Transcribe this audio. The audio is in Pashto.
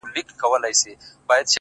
o ته چي راغلې سپين چي سوله تور باڼه،